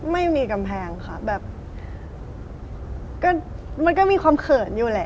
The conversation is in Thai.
ไม่มีกำแพงค่ะแบบก็มันก็มีความเขินอยู่แหละ